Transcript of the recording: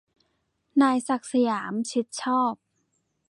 นายศักดิ์สยาม ชิดชอบ